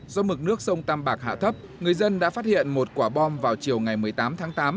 do mực nước sông tam bạc hạ thấp người dân đã phát hiện một quả bom vào chiều ngày một mươi tám tháng tám